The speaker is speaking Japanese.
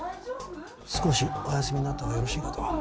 少しお休みなった方がよろしいかと。